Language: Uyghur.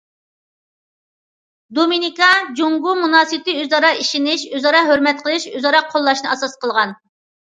دومىنىكا- جۇڭگو مۇناسىۋىتى ئۆزئارا ئىشىنىش، ئۆزئارا ھۆرمەت قىلىش، ئۆزئارا قوللاشنى ئاساس قىلغان.